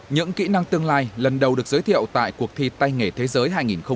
những kỹ năng tương lai lần đầu được giới thiệu tại cuộc thi tây nghề thế giới hai nghìn một mươi chín